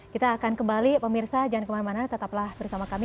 kita akan kembali pemirsa jangan kemana mana tetaplah bersama kami